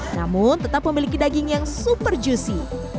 namun tetap memiliki daging yang super juicy